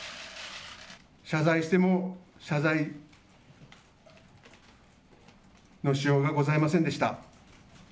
謝罪しても謝罪のしようがございませんでした。